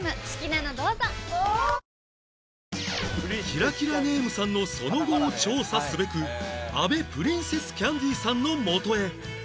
キラキラネームさんのその後を調査すべく阿部プリンセスキャンディさんのもとへ